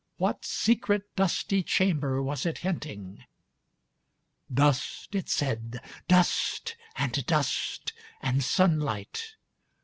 ... What secret dusty chamber was it hinting? 'Dust,' it said, 'dust .... and dust .... and sunlight